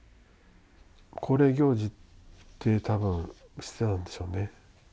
恒例行事で多分してたんでしょうね。